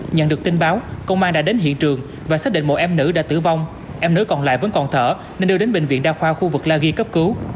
nhận được tin báo công an đã đến hiện trường và xác định một em nữ đã tử vong em nữ còn lại vẫn còn thở nên đưa đến bệnh viện đa khoa khu vực la ghi cấp cứu